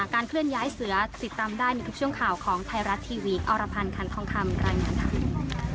เคลื่อนย้ายเสือติดตามได้ในทุกช่วงข่าวของไทยรัฐทีวีอรพันธ์คันทองคำรายงานค่ะ